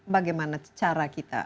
bagaimana cara kita